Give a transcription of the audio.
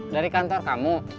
dari kantor kamu